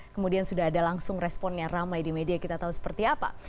kemudian sudah ada langsung responnya ramai di media kita tahu seperti apa